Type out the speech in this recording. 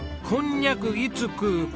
こんにゃくいつ食う？